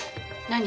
何？